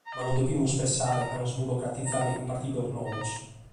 Ma non depimus pensare a nos burocratizare cun partidos noos.